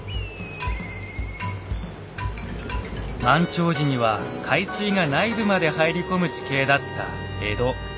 満潮時には海水が内部まで入り込む地形だった江戸。